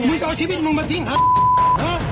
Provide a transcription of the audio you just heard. มึงออกชีวิตมึงมาทิ้งภาวะ